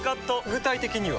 具体的には？